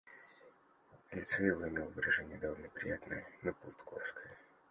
Лицо его имело выражение довольно приятное, но плутовское.